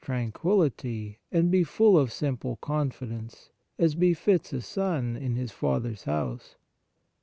86 Holy Communion tranquillity and be full of simple confidence, as befits a son in his Father s house.